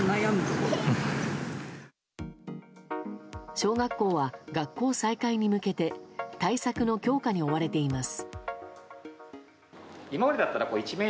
小学校は学校再開に向けて対策の強化に追われています。